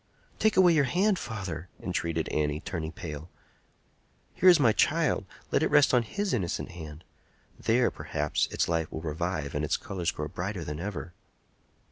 "Take away your hand, father!" entreated Annie, turning pale. "Here is my child; let it rest on his innocent hand. There, perhaps, its life will revive and its colors grow brighter than ever."